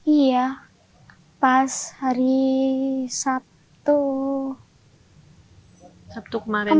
iya pas hari sabtu sabtu kemarin